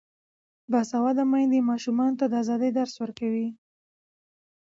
باسواده میندې ماشومانو ته د ازادۍ درس ورکوي.